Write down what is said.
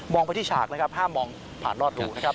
ไปที่ฉากนะครับห้ามมองผ่านรอดรูนะครับ